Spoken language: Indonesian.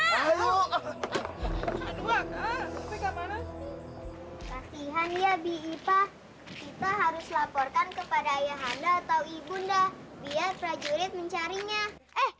kasihan ya bi ipa kita harus laporkan kepada ayah anda atau ibu nda biar prajurit mencarinya eh